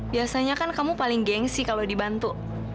biasanya kan kamu paling gengsi kalau dibantu